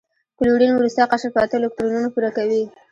کلورین وروستی قشر په اته الکترونونه پوره کوي.